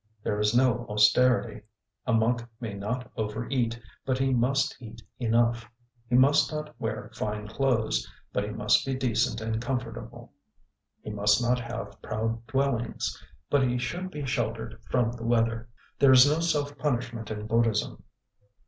There is no austerity. A monk may not over eat, but he must eat enough; he must not wear fine clothes, but he must be decent and comfortable; he must not have proud dwellings, but he should be sheltered from the weather. There is no self punishment in Buddhism.